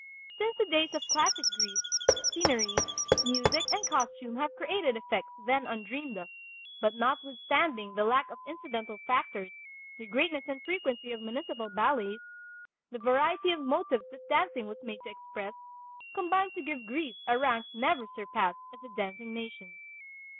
Since the days of classic Greece, scenery, music and costume have created effects then undreamed of, but notwithstanding the lack of incidental factors, the greatness and frequency of municipal ballets, the variety of motives that dancing was made to express, combine to give Greece a rank never surpassed as a dancing nation.